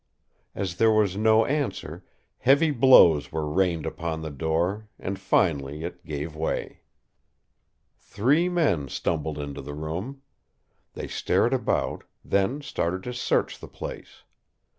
As there was no answer, heavy blows were rained upon the door, and finally it gave way. Three men stumbled into the room. They stared about, then started to search the place.